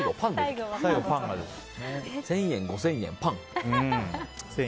１０００円、５０００円パン。